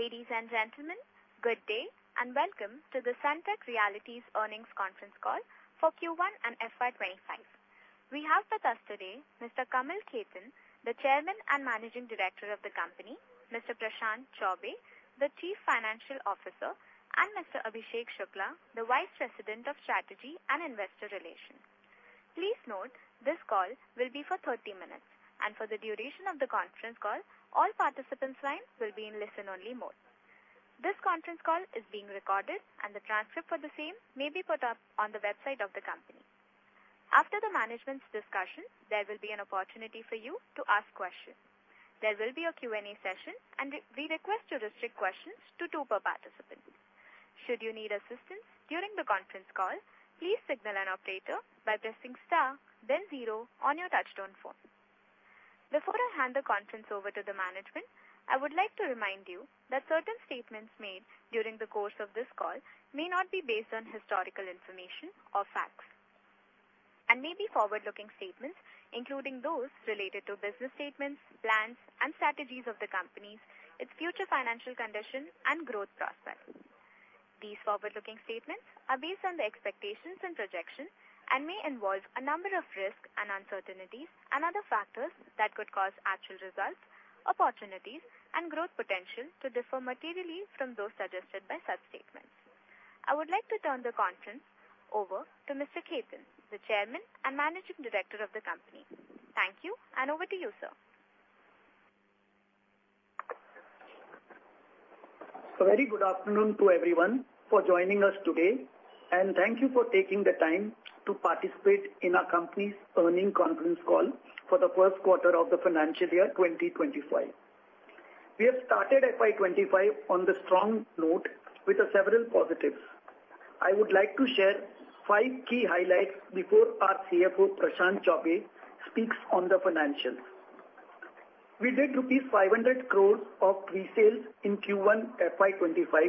Ladies and gentlemen, good day, and welcome to the Sunteck Realty's Earnings Conference Call for Q1 and FY 2025. We have with us today Mr. Kamal Khetan, the Chairman and Managing Director of the company, Mr. Prashant Chaubey, the Chief Financial Officer, and Mr. Abhishek Shukla, the Vice President of Strategy and Investor Relations. Please note, this call will be for 30 minutes, and for the duration of the conference call, all participants' lines will be in listen-only mode. This conference call is being recorded, and the transcript for the same may be put up on the website of the company. After the management's discussion, there will be an opportunity for you to ask questions. There will be a Q&A session, and we request you restrict questions to two per participant. Should you need assistance during the conference call, please signal an operator by pressing star then zero on your touchtone phone. Before I hand the conference over to the management, I would like to remind you that certain statements made during the course of this call may not be based on historical information or facts and may be forward-looking statements, including those related to business statements, plans, and strategies of the companies, its future financial conditions, and growth prospects. These forward-looking statements are based on the expectations and projections and may involve a number of risks and uncertainties, and other factors that could cause actual results, opportunities, and growth potential to differ materially from those suggested by such statements. I would like to turn the conference over to Mr. Khetan, the Chairman and Managing Director of the company. Thank you, and over to you, sir. A very good afternoon to everyone for joining us today, and thank you for taking the time to participate in our company's earnings conference call for the first quarter of the financial year 2025. We have started FY 2025 on the strong note with several positives. I would like to share five key highlights before our CFO, Prashant Chaubey, speaks on the financials. We did rupees 500 crores of pre-sales in Q1 FY 2025.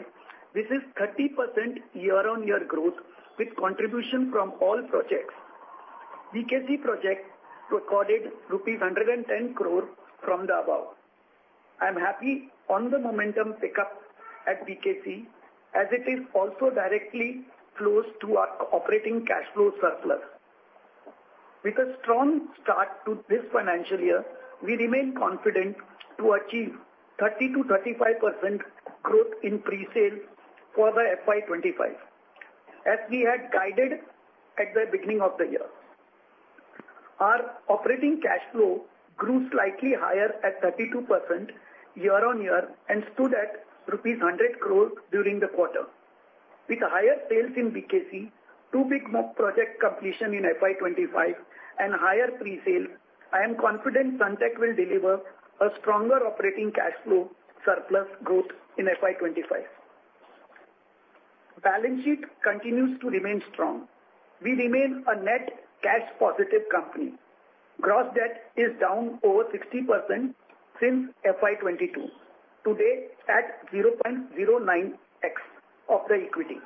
This is 30% year-on-year growth with contribution from all projects. BKC project recorded rupees 110 crore from the above. I'm happy on the momentum pickup at BKC, as it is also directly close to our operating cash flow surplus. With a strong start to this financial year, we remain confident to achieve 30%-35% growth in pre-sale for the FY 2025, as we had guided at the beginning of the year. Our operating cash flow grew slightly higher at 32% year-on-year and stood at rupees 100 crore during the quarter. With higher sales in BKC, two big project completion in FY 2025 and higher pre-sale, I am confident Sunteck will deliver a stronger operating cash flow surplus growth in FY 2025. Balance sheet continues to remain strong. We remain a net cash positive company. Gross debt is down over 60% since FY 2022, today at 0.09x of the equity,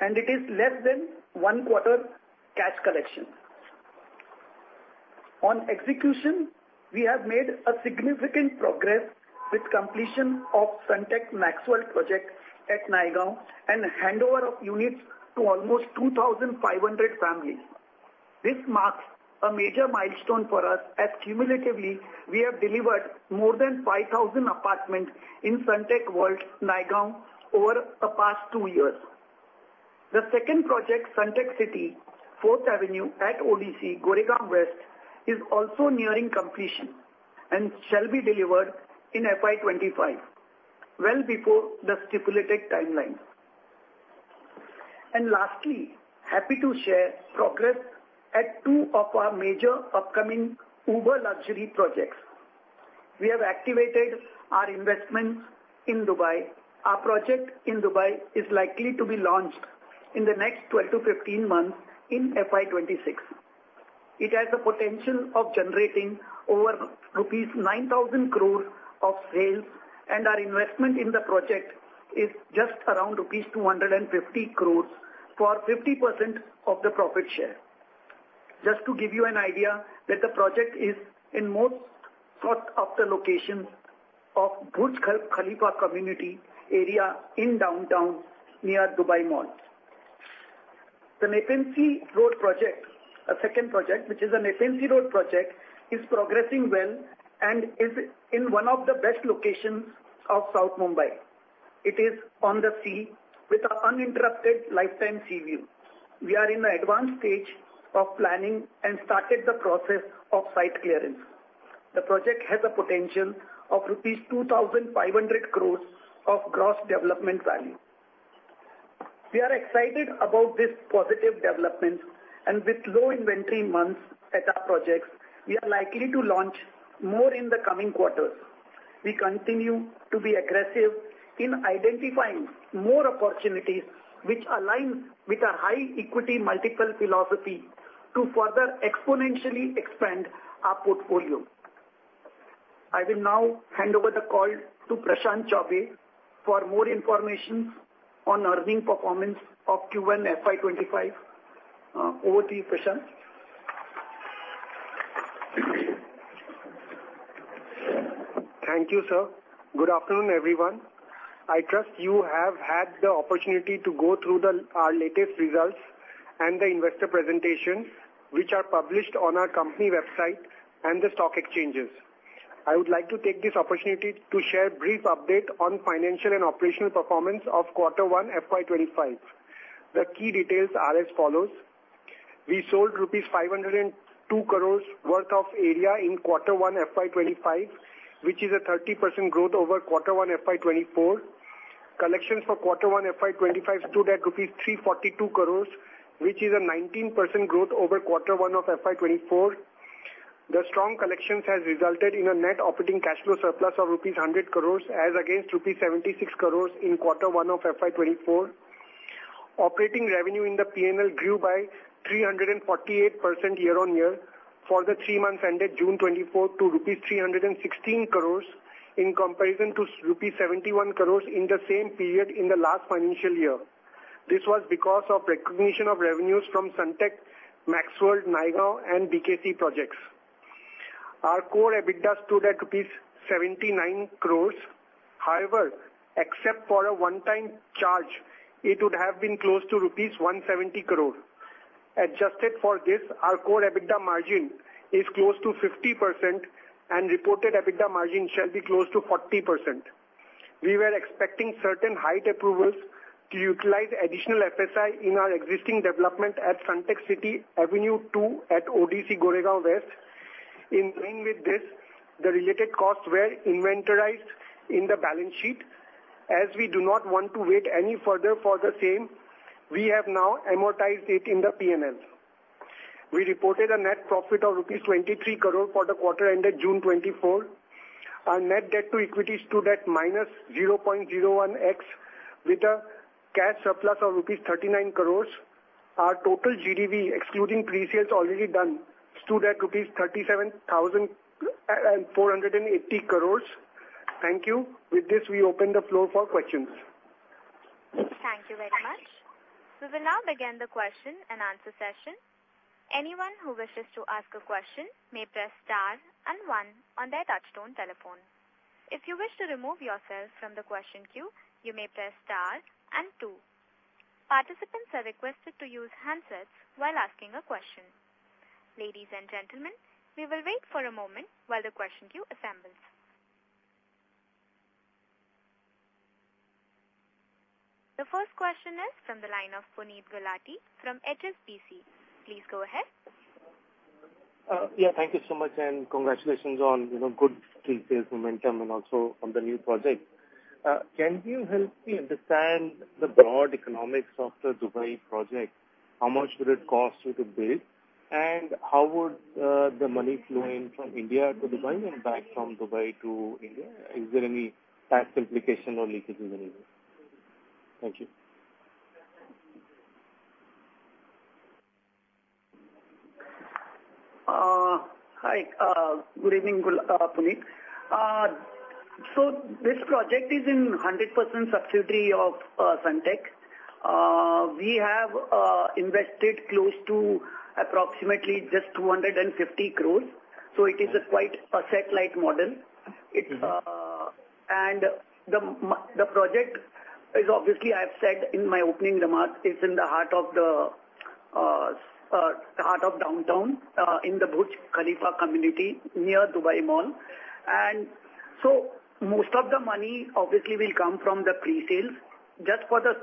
and it is less than one quarter cash collection. On execution, we have made a significant progress with completion of Sunteck MaxXWorld project at Naigaon and handover of units to almost 2,500 families. This marks a major milestone for us as cumulatively, we have delivered more than 5,000 apartments in Sunteck World, Naigaon, over the past 2 years. The second project, Sunteck City, 4th Avenue at ODC, Goregaon West, is also nearing completion and shall be delivered in FY 2025, well before the stipulated timeline. And lastly, happy to share progress at 2 of our major upcoming uber luxury projects. We have activated our investments in Dubai. Our project in Dubai is likely to be launched in the next 12-15 months in FY 2026. It has the potential of generating over rupees 9,000 crore of sales, and our investment in the project is just around rupees 250 crore for 50% of the profit share. Just to give you an idea that the project is in most sought-after locations of Burj Khalifa community area in Downtown, near Dubai Mall. The Nepean Sea Road project, a second project, which is a Nepean Sea Road project, is progressing well and is in one of the best locations of South Mumbai. It is on the sea with an uninterrupted lifetime sea view. We are in the advanced stage of planning and started the process of site clearance. The project has a potential of rupees 2,500 crore of gross development value. We are excited about this positive development, and with low inventory months at our projects, we are likely to launch more in the coming quarters. We continue to be aggressive in identifying more opportunities, which align with our high equity multiple philosophy to further exponentially expand our portfolio. I will now hand over the call to Prashant Chaubey for more information on earnings performance of Q1 FY25. Over to you, Prashant. Thank you, sir. Good afternoon, everyone. I trust you have had the opportunity to go through our latest results and the investor presentation, which are published on our company website and the stock exchanges. I would like to take this opportunity to share a brief update on financial and operational performance of quarter 1, FY25. The key details are as follows: We sold rupees 502 crores worth of area in quarter 1, FY 2025, which is a 30% growth over quarter 1, FY 2024. Collections for quarter 1, FY 2025, stood at rupees 342 crores, which is a 19% growth over quarter 1 of FY 2024. The strong collections has resulted in a net operating cash flow surplus of rupees 100 crores, as against rupees 76 crores in quarter 1 of FY 2024. Operating revenue in the P&L grew by 348% year-on-year for the three months ended June 24th, to rupees 316 crores, in comparison to rupees 71 crores in the same period in the last financial year. This was because of recognition of revenues from Sunteck MaxXWorld, Naigaon, and ODC projects. Our Core EBITDA stood at 79 crores rupees. However, except for a one-time charge, it would have been close to rupees 170 crore. Adjusted for this, our core EBITDA margin is close to 50%, and reported EBITDA margin shall be close to 40%. We were expecting certain height approvals to utilize additional FSI in our existing development at Sunteck City 4th Avenue at ODC, Goregaon West. In line with this, the related costs were capitalized in the balance sheet. As we do not want to wait any further for the same, we have now amortized it in the P&L. We reported a net profit of rupees 23 crore for the quarter ended June 2024. Our net debt-to-equity stood at -0.01x, with a cash surplus of rupees 39 crore. Our total GDV, excluding pre-sales already done, stood at rupees 37,480 crore. Thank you. With this, we open the floor for questions. Thank you very much. We will now begin the question and answer session. Anyone who wishes to ask a question may press star and one on their touchtone telephone. If you wish to remove yourself from the question queue, you may press star and two. Participants are requested to use handsets while asking a question. Ladies and gentlemen, we will wait for a moment while the question queue assembles. The first question is from the line of Puneet Gulati from HSBC. Please go ahead. Yeah, thank you so much, and congratulations on, you know, good pre-sales momentum and also on the new project. Can you help me understand the broad economics of the Dubai project? How much did it cost you to build, and how would the money flow in from India to Dubai and back from Dubai to India? Is there any tax implication or leakages anywhere? Thank you. Hi. Good evening, Puneet. So this project is in 100% subsidiary of Sunteck. We have invested close to approximately just 250 crores, so it is a quite asset-light model. It's and the project is obviously, I've said in my opening remarks, is in the heart of the heart of downtown, in the Burj Khalifa community near Dubai Mall. And so most of the money obviously will come from the pre-sales, just for the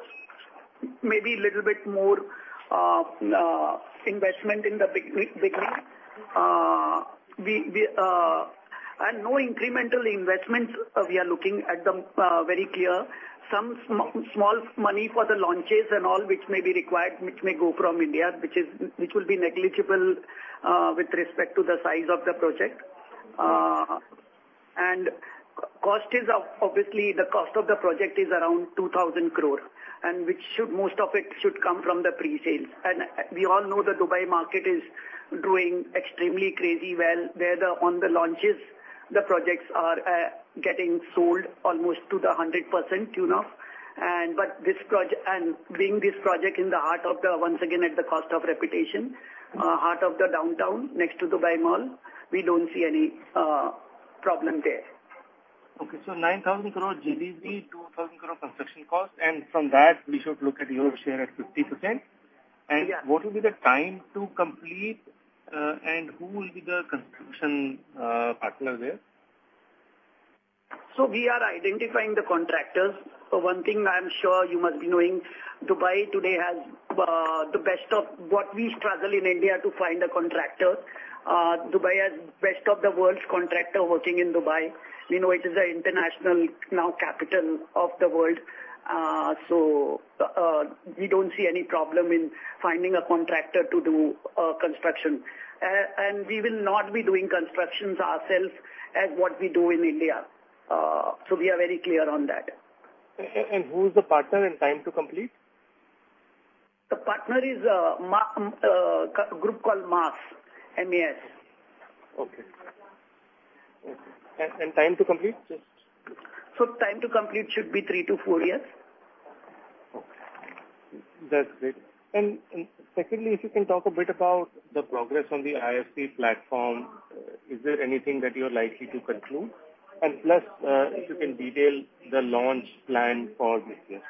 maybe little bit more investment in the beginning. We and no incremental investments, we are looking at the very clear. Some small money for the launches and all which may be required, which may go from India, which will be negligible, with respect to the size of the project. And cost is obviously, the cost of the project is around 2,000 crore, and which should, most of it should come from the pre-sales. And, we all know the Dubai market is doing extremely crazy well. Where, on the launches, the projects are getting sold almost to 100%, you know. And but this and bringing this project in the heart of the, once again, at the cost of repetition, heart of the Downtown, next to Dubai Mall, we don't see any problem there. Okay. So 9,000 crore GDV, 2,000 crore construction cost, and from that, we should look at your share at 50%? Yeah. What will be the time to complete, and who will be the construction partner there? So we are identifying the contractors. But one thing I'm sure you must be knowing, Dubai today has the best of what we struggle in India to find a contractor. Dubai has best of the world's contractor working in Dubai. You know, it is a international now capital of the world. So we don't see any problem in finding a contractor to do construction. And we will not be doing constructions ourselves as what we do in India. So we are very clear on that. Who is the partner and time to complete? The partner is a group called MAS, M-A-S. Okay. And time to complete this? Time to complete should be 3-4 years. That's great. And secondly, if you can talk a bit about the progress on the IFC platform. Is there anything that you're likely to conclude? And plus, if you can detail the launch plan for this year.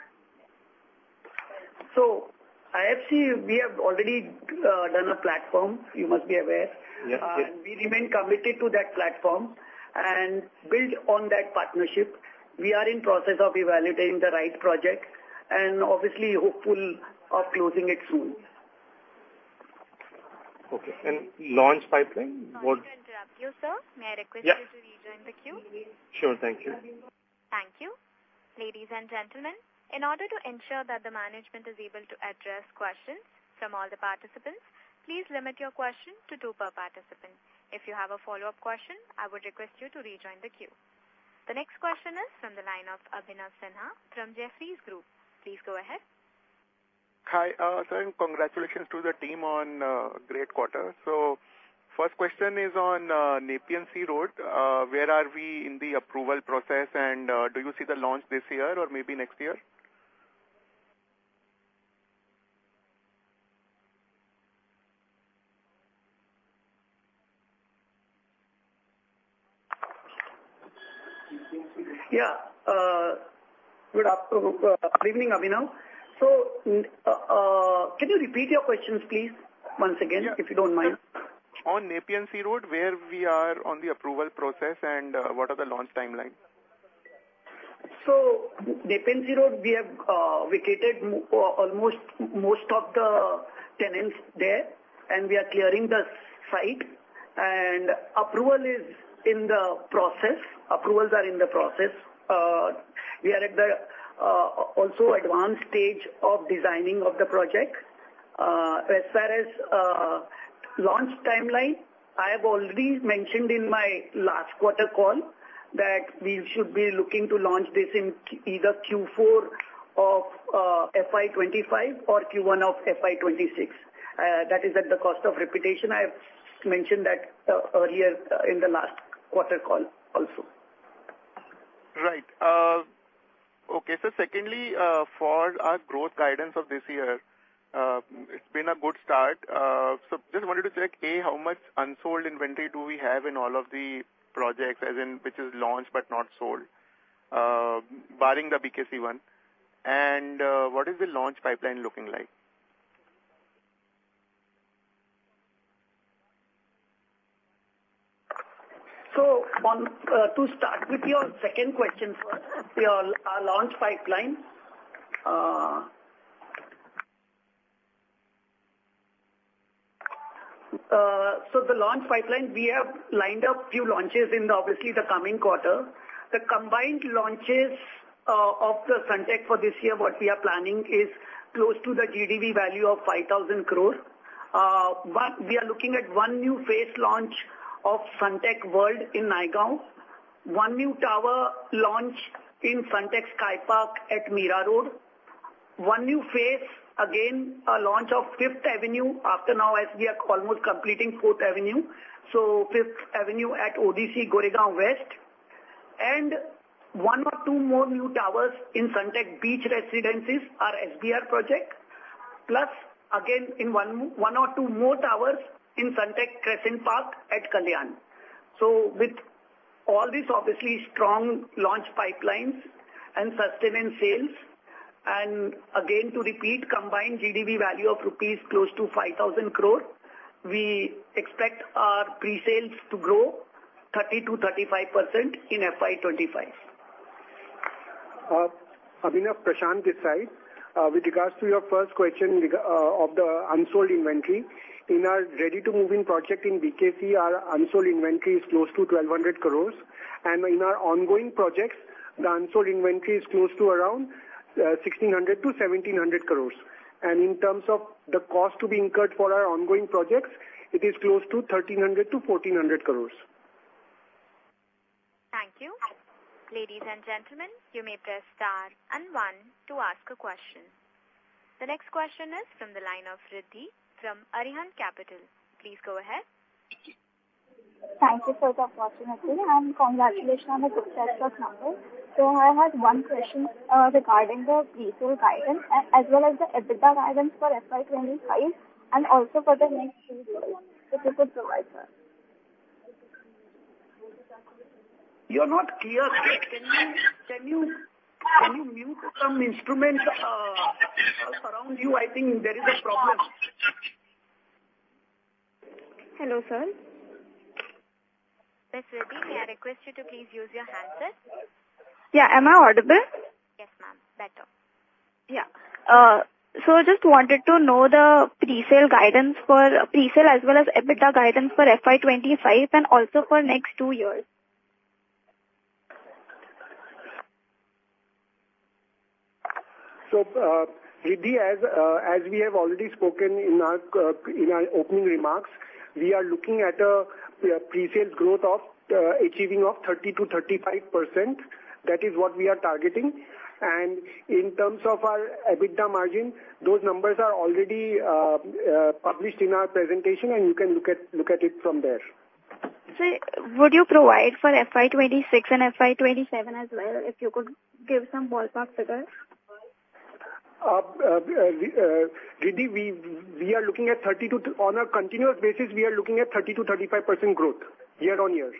So IFC, we have already done a platform, you must be aware. Yes. We remain committed to that platform and build on that partnership. We are in process of evaluating the right project and obviously hopeful of closing it soon. Okay, and launch pipeline? Sorry to interrupt you, sir. May I request you to rejoin the queue? Sure. Thank you. Thank you. Ladies and gentlemen, in order to ensure that the management is able to address questions from all the participants, please limit your questions to two per participant. If you have a follow-up question, I would request you to rejoin the queue. The next question is from the line of Abhinav Sinha from Jefferies Group. Please go ahead. Hi, sir, and congratulations to the team on great quarter. So first question is on Nepean Sea Road. Where are we in the approval process? And do you see the launch this year or maybe next year? Yeah. Good evening, Abhinav. So, can you repeat your questions, please, once again, if you don't mind? On Nepean Sea Road, where we are on the approval process, and, what are the launch timelines? So Nepean Sea Road, we have vacated almost most of the tenants there, and we are clearing the site, and approval is in the process. Approvals are in the process. We are at the also advanced stage of designing of the project. As far as launch timeline, I have already mentioned in my last quarter call that we should be looking to launch this in either Q4 of FY 2025 or Q1 of FY 2026. That is at the cost of repetition. I have mentioned that earlier in the last quarter call also. Right. Okay. So secondly, for our growth guidance of this year, it's been a good start. So just wanted to check, A, how much unsold inventory do we have in all of the projects, as in, which is launched but not sold, barring the BKC one? And, what is the launch pipeline looking like? So on to start with your second question first, your launch pipeline. So the launch pipeline, we have lined up few launches in obviously the coming quarter. The combined launches of the Sunteck for this year, what we are planning, is close to the GDV value of 5,000 crore. But we are looking at one new phase launch of Sunteck World in Naigaon, one new tower launch in Sunteck Sky Park at Mira Road, one new phase, again, a launch of 5th Avenue after now as we are almost completing 4th Avenue, so 5th Avenue at ODC, Goregaon West, and one or two more new towers in Sunteck Beach Residences, our SBR project. Plus, again, in one or two more towers in Sunteck Crescent Park at Kalyan. So with all these obviously strong launch pipelines and sustenance sales, and again, to repeat, combined GDV value of close to 5,000 crore, we expect our presales to grow 30%-35% in FY 2025. Abhinav, Prashant this side. With regards to your first question, of the unsold inventory. In our ready to move in project in BKC, our unsold inventory is close to 1,200 crores, and in our ongoing projects, the unsold inventory is close to around 1,600-1,700 crores. In terms of the cost to be incurred for our ongoing projects, it is close to 1,300-1,400 crores. Thank you. Ladies and gentlemen, you may press star and one to ask a question. The next question is from the line of Riddhi from Arihant Capital. Please go ahead. Thank you for the opportunity, and congratulations on the successful numbers. So I had one question regarding the pre-sales guidance as well as the EBITDA guidance for FY 2025 and also for the next two years, if you could provide, sir. You're not clear. Can you mute some instruments around you? I think there is a problem. Hello, sir. Yes, Riddhi, may I request you to please use your handset? Yeah. Am I audible? Yes, ma'am. Better. Yeah. So just wanted to know the pre-sales guidance for pre-sales as well as EBITDA guidance for FY 2025 and also for next two years. So, Riddhi, as we have already spoken in our opening remarks, we are looking at a presales growth of 30%-35%. That is what we are targeting. And in terms of our EBITDA margin, those numbers are already published in our presentation, and you can look at it from there. Sir, would you provide for FY 2026 and FY 2027 as well, if you could give some ballpark figures? Riddhi, on a continuous basis, we are looking at 30%-35% growth year-on-year.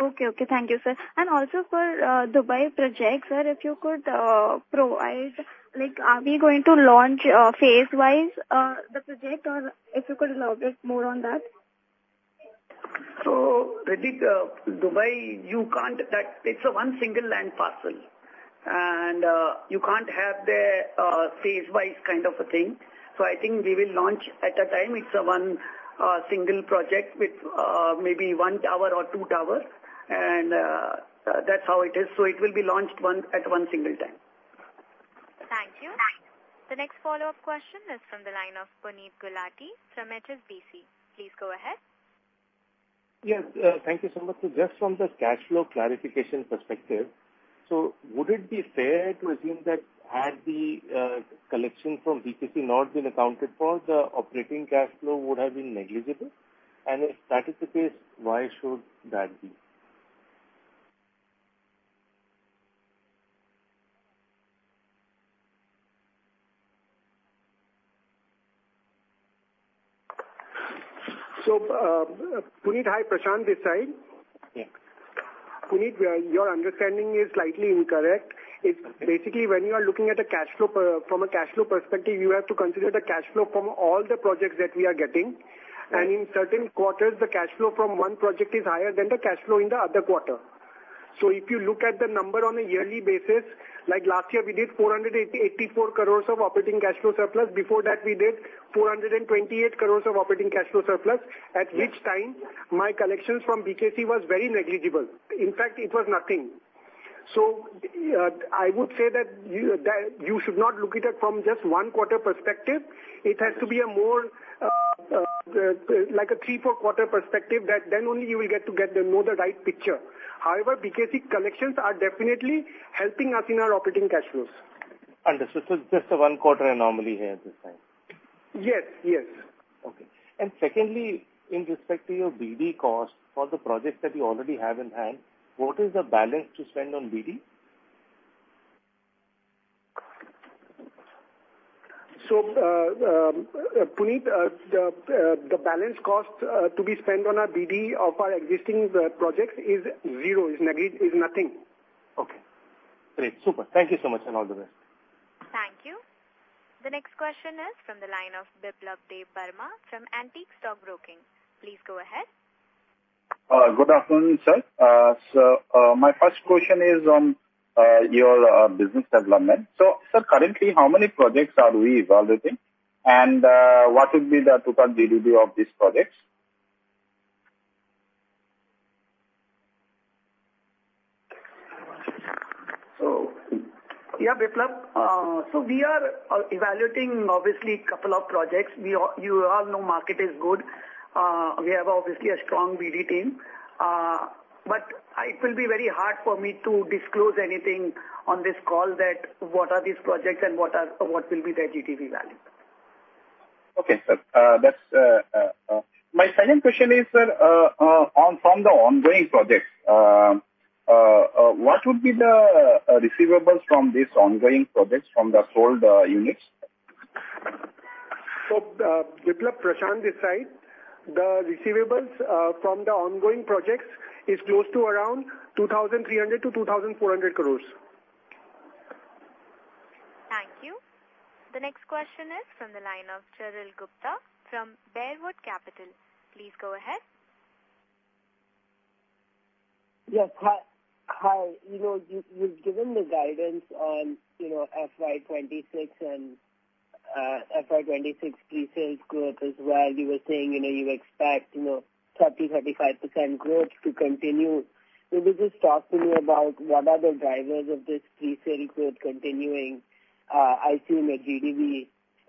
Okay. Okay. Thank you, sir. And also for Dubai project, sir, if you could provide, like, are we going to launch phase-wise the project, or if you could elaborate more on that? So, Riddhi, Dubai. It's a one single land parcel, and you can't have the phase-wise kind of a thing. So I think we will launch at a time. It's a one single project with maybe one tower or two tower, and that's how it is. So it will be launched one at one single time. Thank you. The next follow-up question is from the line of Puneet Gulati from HSBC. Please go ahead. Yes, thank you so much. So just from the cash flow clarification perspective, so would it be fair to assume that had the collection from BKC not been accounted for, the operating cash flow would have been negligible? And if that is the case, why should that be? Puneet, hi. Prashant this side. Yeah. Puneet, your understanding is slightly incorrect. It's basically when you are looking at a cash flow, from a cash flow perspective, you have to consider the cash flow from all the projects that we are getting. Right. In certain quarters, the cash flow from one project is higher than the cash flow in the other quarter. So if you look at the number on a yearly basis, like last year, we did 484 crores of operating cash flow surplus. Before that, we did 428 crores of operating cash flow surplus, at which time my collections from BKC was very negligible. In fact, it was nothing. So, I would say that you should not look at it from just one quarter perspective. It has to be a more, like a 3-4 quarter perspective, that then only you will get to know the right picture. However, BKC collections are definitely helping us in our operating cash flows. Understood. So it's just a one quarter anomaly here at this time? Yes. Yes. Okay. And secondly, in respect to your BD costs for the projects that you already have in hand, what is the balance to spend on BD? Puneet, the balance cost to be spent on our BD of our existing projects is zero, is nothing. Okay. Great. Super. Thank you so much, and all the best. Thank you. The next question is from the line of Biplab Debbarma from Antique Stock Broking. Please go ahead. Good afternoon, sir. My first question is on your business development. Sir, currently, how many projects are we evaluating? What would be the total GDV of these projects? So, yeah, Biplab, so we are evaluating obviously a couple of projects. You all know market is good. We have obviously a strong BD team, but it will be very hard for me to disclose anything on this call that what are these projects and what are, what will be their GDV value. Okay, sir. That's my second question is, sir, on from the ongoing projects, what would be the receivables from these ongoing projects from the sold units? Biplab, Prashant this side. The receivables from the ongoing projects is close to around 2,300-2,400 crores. Thank you. The next question is from the line of Charul Gupta from Bearwood Capital. Please go ahead. Yes. Hi, hi. You know, you've given the guidance on, you know, FY 2026 and, FY 2026 pre-sales growth as well. You were saying, you know, you expect, you know, 30%-35% growth to continue. So could you just talk to me about what are the drivers of this pre-sales growth continuing? I assume the GDV,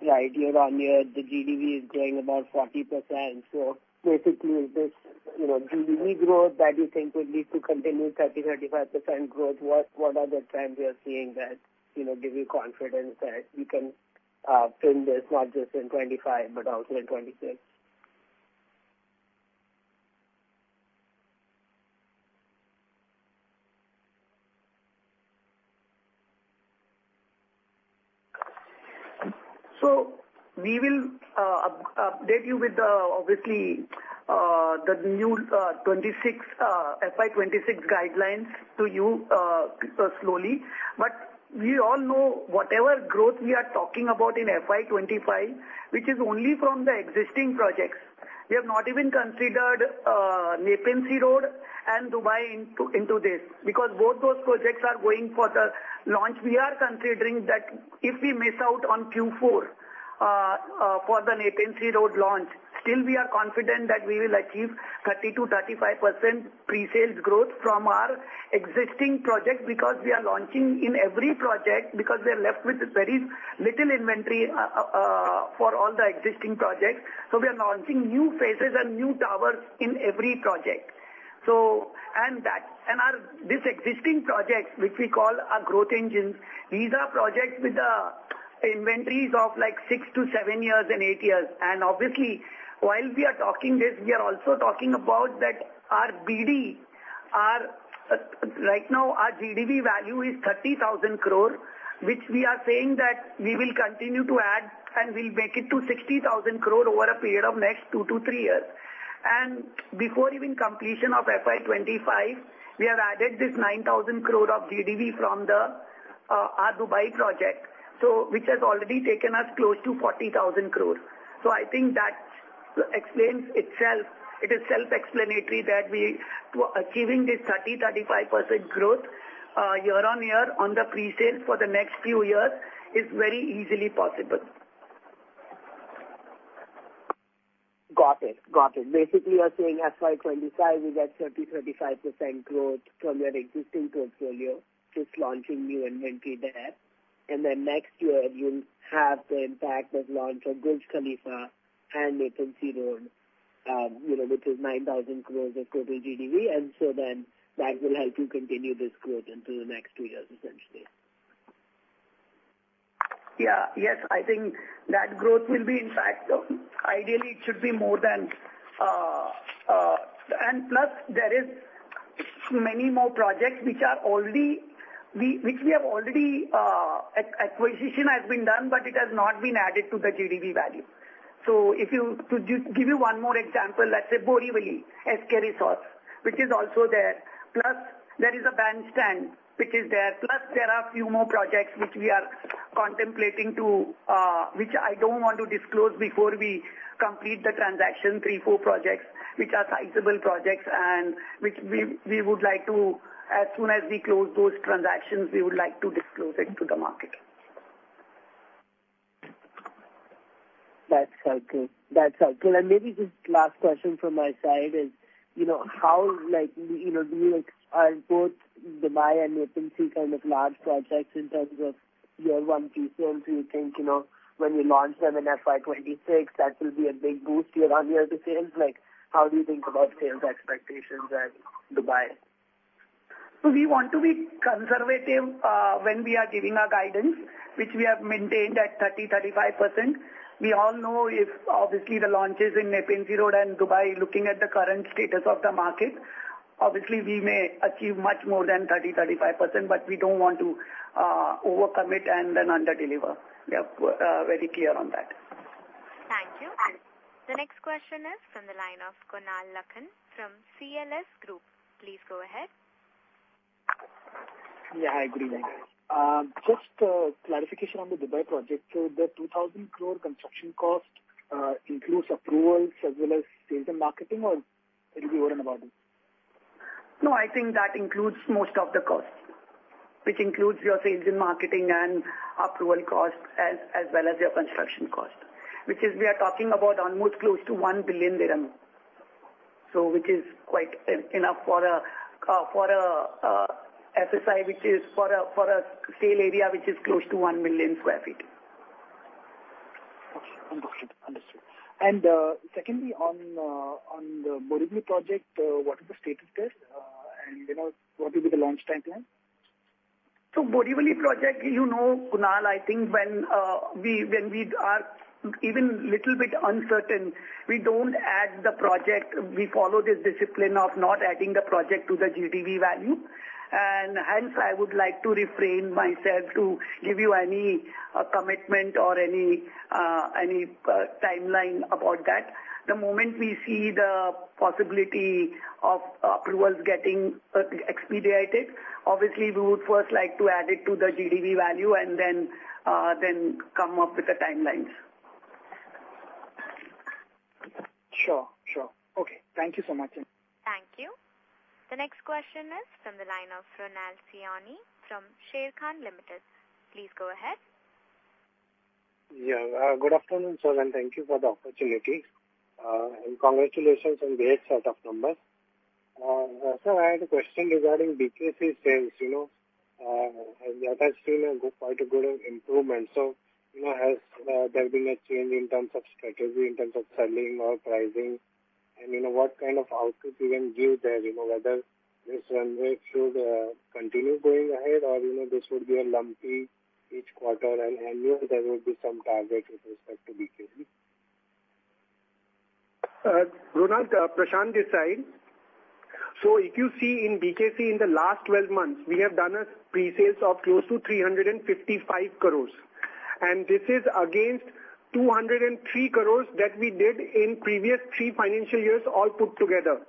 right, year-on-year, the GDV is growing about 40%. So basically, this, you know, GDV growth that you think would lead to continued 30%-35% growth, what are the trends you are seeing that, you know, give you confidence that you can pin this not just in 2025 but also in 2026? So we will update you with the obviously, the new, 26, FY 2026 guidelines to you, slowly. But we all know whatever growth we are talking about in FY 2025, which is only from the existing projects. We have not even considered Nepean Sea Road and Dubai into this, because both those projects are going for the launch. We are considering that if we miss out on Q4 for the Nepean Sea Road launch, still we are confident that we will achieve 30%-35% pre-sales growth from our existing project, because we are launching in every project, because we are left with very little inventory for all the existing projects. So we are launching new phases and new towers in every project. So and that and our this existing projects, which we call our growth engines, these are projects with the inventories of like 6-7 years and 8 years. And obviously, while we are talking this, we are also talking about that our BD, our right now, our GDV value is 30,000 crore, which we are saying that we will continue to add, and we'll make it to 60,000 crore over a period of next 2-3 years. And before even completion of FY 2025, we have added this 9,000 crore of GDV from the our Dubai project, so which has already taken us close to 40,000 crore. So I think that explains itself. It is self-explanatory that we to achieving this 30-35% growth, year-on-year on the presale for the next few years is very easily possible. Got it. Got it. Basically, you are saying FY 2025, we get 30-35% growth from your existing portfolio, just launching new inventory there. And then next year, you'll have the impact of launch of Burj Khalifa and Nepean Sea Road, you know, which is 9,000 crore of total GDV, and so then that will help you continue this growth into the next two years, essentially. Yeah. Yes, I think that growth will be in fact, ideally, it should be more than... And plus, there is many more projects which are already, which we have already, acquisition has been done, but it has not been added to the GDV value. So if you, to give you one more example, let's say Borivali, S K Resorts, which is also there, plus there is a Bandstand, which is there. Plus, there are a few more projects which we are contemplating to, which I don't want to disclose before we complete the transaction. 3-4 projects, which are sizable projects and which we, we would like to, as soon as we close those transactions, we would like to disclose it to the market. That's okay. That's okay. Maybe this last question from my side is, you know, how like, you know, do you are both Dubai and Nepean Sea kind of large projects in terms of year one pre-sales? Do you think, you know, when we launch them in FY 2026, that will be a big boost year-on-year to sales? Like, how do you think about sales expectations at Dubai? So we want to be conservative, when we are giving our guidance, which we have maintained at 30%-35%. We all know if obviously, the launches in Nepean Sea Road and Dubai, looking at the current status of the market, obviously, we may achieve much more than 30%-35%, but we don't want to, overcommit and then underdeliver. We are, very clear on that. Thank you. The next question is from the line of Kunal Lakhan from CLSA. Please go ahead. Yeah, hi, good evening. Just a clarification on the Dubai project. So the 2,000 crore construction cost includes approvals as well as sales and marketing, or it will be over and above it? No, I think that includes most of the costs, which includes your sales and marketing and approval costs, as well as your construction cost, which is we are talking about almost close to 1 billion dirham. So which is quite enough for a, for a FSI, which is for a sale area, which is close to 1 million sq ft. Okay, got it. Understood. And, secondly, on the Borivali project, what is the status there? And, you know, what will be the launch timeline? So Borivali project, you know, Kunal, I think when, we, when we are even little bit uncertain, we don't add the project. We follow the discipline of not adding the project to the GDV value, and hence, I would like to refrain myself to give you any, commitment or any, any, timeline about that. The moment we see the possibility of, approvals getting, expedited, obviously, we would first like to add it to the GDV value and then, then come up with the timelines. Sure. Sure. Okay. Thank you so much. Thank you. The next question is from the line of Ronald Siyoni from Sharekhan Limited. Please go ahead. Yeah, good afternoon, sir, and thank you for the opportunity, and congratulations on the set of numbers. Sir, I had a question regarding BKC sales, you know, and that has seen a good, quite a good improvement. So, you know, has there been a change in terms of strategy, in terms of selling or pricing? And, you know, what kind of outlook you can give there, you know, whether this runway should continue going ahead or, you know, this would be a lumpy each quarter and annual there will be some target with respect to BKC. Ronald, Prashant this side. So if you see in BKC in the last 12 months, we have done pre-sales of close to 355 crore, and this is against 203 crore that we did in previous three financial years, all put together.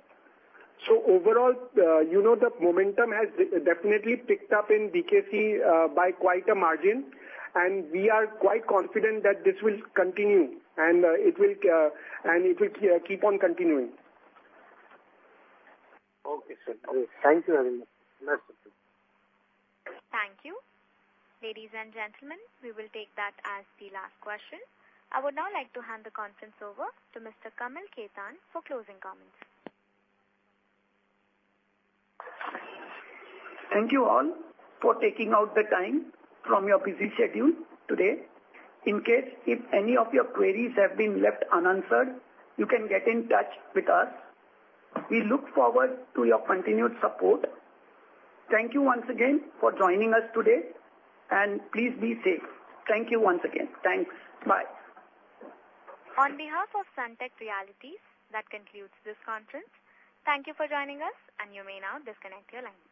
So overall, you know, the momentum has definitely picked up in BKC by quite a margin, and we are quite confident that this will continue, and it will keep on continuing. Okay, sir. Thank you very much. Thank you. Ladies and gentlemen, we will take that as the last question. I would now like to hand the conference over to Mr. Kamal Khetan for closing comments. Thank you all for taking out the time from your busy schedule today. In case if any of your queries have been left unanswered, you can get in touch with us. We look forward to your continued support. Thank you once again for joining us today, and please be safe. Thank you once again. Thanks. Bye. On behalf of Sunteck Realty, that concludes this conference. Thank you for joining us, and you may now disconnect your lines.